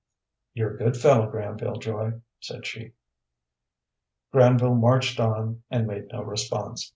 "You're a good fellow, Granville Joy," said she. Granville marched on and made no response.